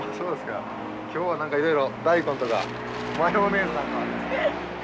今日は何かいろいろ大根とかマヨネーズなんかもありますね。